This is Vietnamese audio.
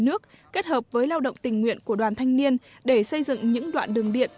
nước kết hợp với lao động tình nguyện của đoàn thanh niên để xây dựng những đoạn đường điện